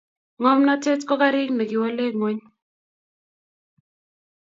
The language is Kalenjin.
ngomnatet ko karik nekiwalee ngueny